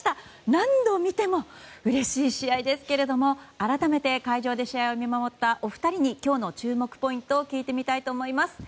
何度見てもうれしい試合ですけれども改めて会場で試合を見守ったお二人に今日の注目ポイントを聞いてみたいと思います。